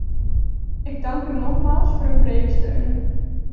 Ik dank u nogmaals voor uw brede steun.